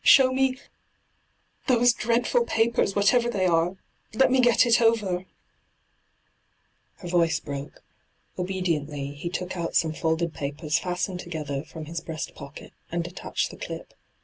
'Show me— those dreadful papers, whatever they are ; let me get it over !' Her voice broke. Obediently he took out some folded papers &stened together &om his 16—2 nyt,, 6^hyG00glc 244 ENTRAPPED breast pooket, and detached the clip.